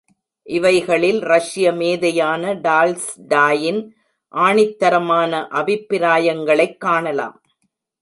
இவைகளில் ரஷ்ய மேதையான டால்ஸ்டாயின் ஆணித்தாரமான அபிப்பிராயங்களைக் காணலாம்.